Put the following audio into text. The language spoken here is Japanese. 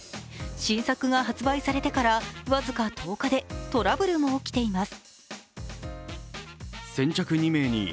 新作が発売されてから僅か１０日でトラブルも起きています。